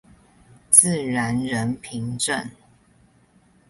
自然人憑證